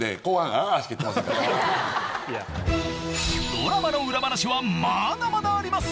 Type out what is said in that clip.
［ドラマの裏話はまだまだあります］